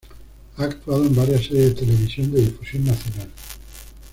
Ha actuado en varias series de televisión de difusión nacional.